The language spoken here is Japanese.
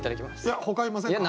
いやほかいませんか？